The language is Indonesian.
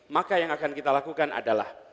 maka yang akan kita lakukan adalah